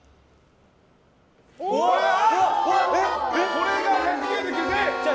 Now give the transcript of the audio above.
これが１９９で。